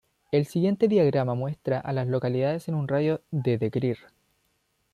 El siguiente diagrama muestra a las localidades en un radio de de Greer.